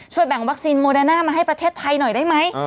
แบ่งวัคซีนโมเดน่ามาให้ประเทศไทยหน่อยได้ไหม